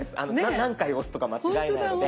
何回押すとか間違えないので。